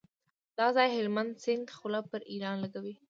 دا ځای هلمند سیند خوله پر ایران لګوي.